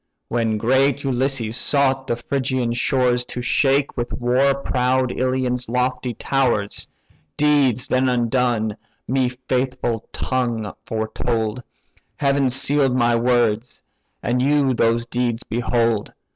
"When great Ulysses sought the Phrygian shores To shake with war proud Ilion's lofty towers, Deeds then undone my faithful tongue foretold: Heaven seal'd my words, and you those deeds behold.